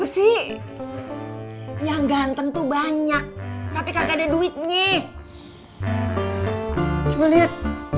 si yang ganteng tuh banyak tapi kagak ada duitnya lihat